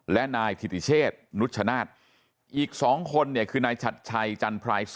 และนายถิติเชษนุชชนาธิ์อีก๒คนเนี่ยคือนายชัดชัยจันพราย๒